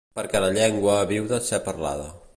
Perquè la llengua viu de ser parlada.